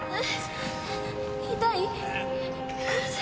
痛い？